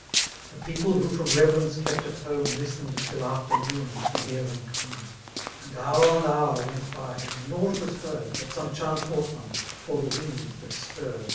'*> 110 The people^ who item reverenoe kiept at h^me, ., a Listened tiU alter noon to hear them conies < And hour on hour went by, and nought was heard. But som^ dumce horseman, or the wind that stirvol.